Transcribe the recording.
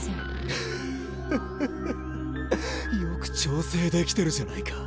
フッフッフッよく調整できてるじゃないか。